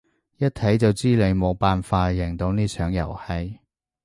一睇就知你冇辦法贏到呢場遊戲